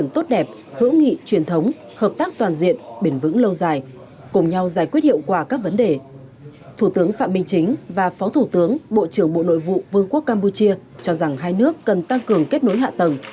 thủ tướng phạm minh chính và phó thủ tướng bộ trưởng bộ nội vụ vương quốc campuchia cho rằng hai nước cần tăng cường kết nối hạ tầng